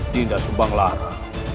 dinda subang lara